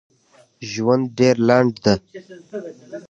ژوند ډېر لنډ ده